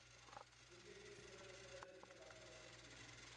June থেকে ডিসেম্বরের মধ্যে এরা দুই থেকে পাঁচটি পর্যন্ত ডিম দেয়।